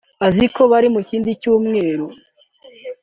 azi ko bari mu kindi cyumba